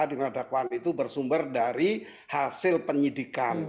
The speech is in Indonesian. dimana dakwaan itu bersumber dari hasil penyidikan